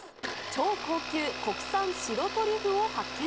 超高級、国産白トリュフを発見。